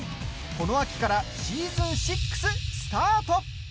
この秋からシーズン６スタート！